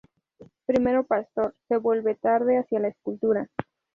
Primero pastor, se vuelve tarde hacia la escultura.